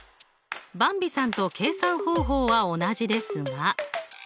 ばんびさんと計算方法は同じですが。